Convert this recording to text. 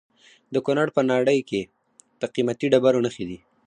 د کونړ په ناړۍ کې د قیمتي ډبرو نښې دي.